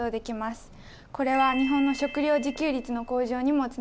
これは日本の食料自給率の向上にもつながると言えます。